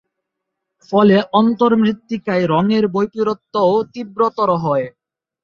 ফলে অন্তর্মৃত্তিকায় রঙের বৈপরীত্যও তীব্রতর হয়।